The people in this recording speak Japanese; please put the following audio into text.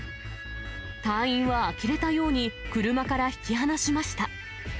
隊員はあきれたように車から引き離しました。